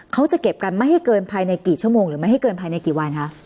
เขาจะเก็บกันไม่ให้เกินภายในกี่ชั่วโมงหรือไม่ให้เกินภายในกี่วันคะ